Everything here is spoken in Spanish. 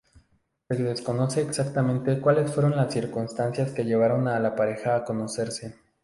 Se desconoce exactamente cuales fueron las circunstancias que llevaron a la pareja a conocerse.